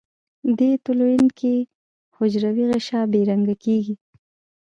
دې تلوین کې حجروي غشا بې رنګه کیږي.